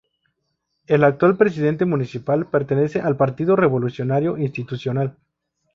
El actual presidente municipal pertenece al Partido Revolucionario Institucional.